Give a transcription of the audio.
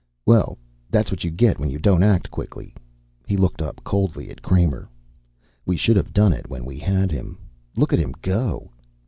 "Well, that's what you get when you don't act quickly." He looked up coldly at Kramer. "We should have done it when we had him. Look at him go!"